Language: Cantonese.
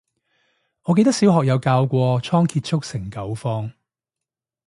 我記得小學有教過倉頡速成九方